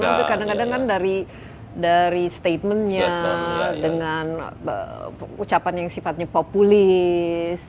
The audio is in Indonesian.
karena kadang kadang kan dari statementnya dengan ucapan yang sifatnya populis